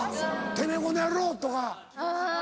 「てめぇこの野郎！」とか。